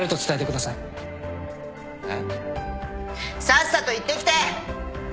さっさと行ってきて。